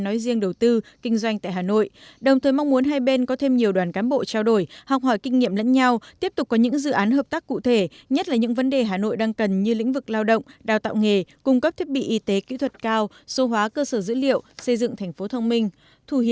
nói riêng đầu tư kinh doanh tại hà nội đồng thời mong muốn hai bên có thêm nhiều đoàn cán bộ trao đổi học hỏi kinh nghiệm lẫn nhau tiếp tục có những dự án hợp tác cụ thể nhất là những vấn đề hà nội đang cần như lĩnh vực lao động đào tạo nghề cung cấp thiết bị y tế kỹ thuật cao số hóa cơ sở dữ liệu xây dựng thành phố thông minh